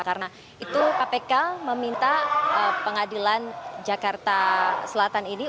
karena itu kpk meminta pengadilan jakarta selatan ini